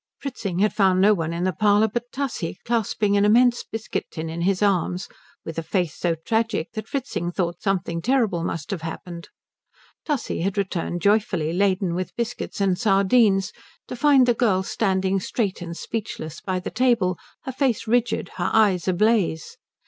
Fritzing had found no one in the parlour but Tussie clasping an immense biscuit tin in his arms, with a face so tragic that Fritzing thought something terrible must have happened. Tussie had returned joyfully, laden with biscuits and sardines, to find the girl standing straight and speechless by the table, her face rigid, her eyes ablaze.